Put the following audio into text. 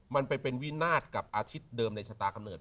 มันไปเป็นวินาศกับอาทิตย์เดิมในชะตากำเนิด